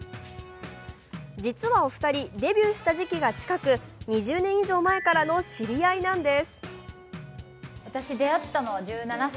実は、お二人、デビューした時期が近く２０年以上前からの知り合いなんです。